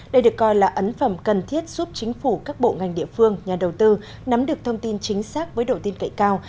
đây được coi là ấn phẩm cần thiết giúp chính phủ các bộ ngành địa phương nhà đầu tư nắm được thông tin chính xác với độ tin cậy cao